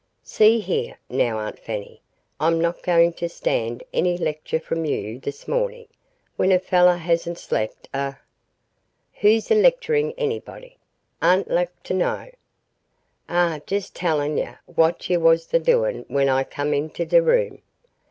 "See here, now, Aunt Fanny, I'm not going to stand any lecture from you this morning. When a fellow hasn't slept a " "Who's a lecturin' anybody, Ah'd lak to know? Ah'm jes' tellin' yo' what yo' was a doin' when Ah came into de room.